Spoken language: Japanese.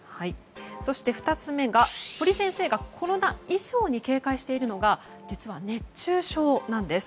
そして２つ目が、堀先生がコロナ以上に警戒しているのが実は、熱中症なんです。